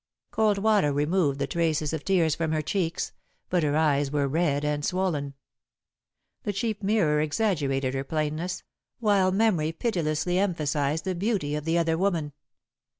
Cold water removed the traces of tears from her cheeks, but her eyes were red and swollen. The cheap mirror exaggerated her plainness, while memory pitilessly emphasised the beauty of the other woman.